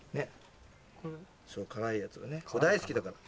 辛いやつが大好きだから。